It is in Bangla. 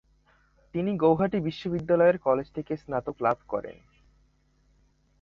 তিনি গৌহাটি বিশ্ববিদ্যালয়ের কলেজ থেকে স্নাতক লাভ করেন।